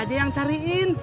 nanti saya yang cari